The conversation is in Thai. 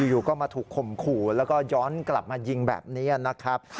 อยู่ก็มาถูกข่มขู่แล้วก็ย้อนกลับมายิงแบบนี้นะครับ